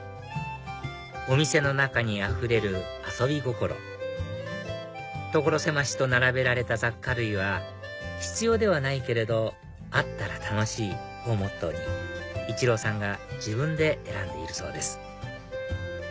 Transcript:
お店の中にあふれる遊び心所狭しと並べられた雑貨類は「必要ではないけれどあったら楽しい」をモットーに一郎さんが自分で選んでいるそうです